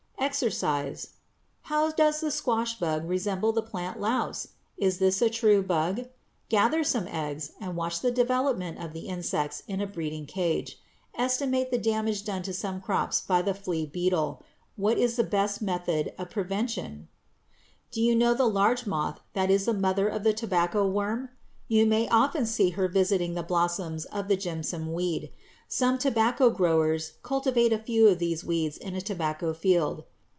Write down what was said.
=EXERCISE= How does the squash bug resemble the plant louse? Is this a true bug? Gather some eggs and watch the development of the insects in a breeding cage. Estimate the damage done to some crops by the flea beetle. What is the best method of prevention? [Illustration: FIG. 171. AN APPLE TREE SHOWING PROPER CARE] Do you know the large moth that is the mother of the tobacco worm? You may often see her visiting the blossoms of the Jimson weed. Some tobacco growers cultivate a few of these weeds in a tobacco field.